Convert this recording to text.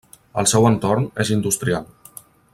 El seu entorn és industrial.